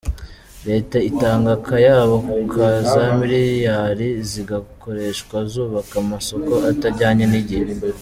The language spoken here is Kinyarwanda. Leta itanga akayabo ka za miliyari zigakoreshwa zubaka amasoko atajyanye n’igihe.